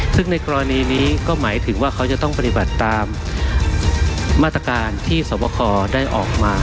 ซึ่งในกรณีนี้ก็หมายถึงว่าเขาจะต้องปฏิบัติตามมาตรการที่สวบคอได้ออกมา